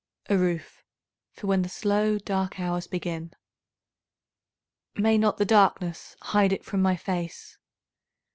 A roof for when the slow dark hours begin. May not the darkness hide it from my face?